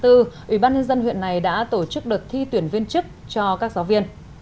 ủy ban nhân dân huyện này đã tổ chức đợt thi tuyển viên chức cho các giáo viên